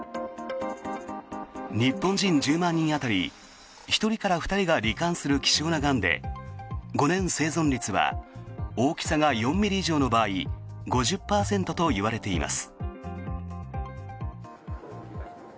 日本人１０万人当たり１人から２人がり患する希少ながんで５年生存率は大きさが４ｍｍ以上の場合５０％といわれています。